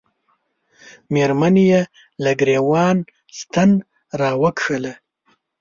مېرمنې یې له ګرېوان ستن را وکښله.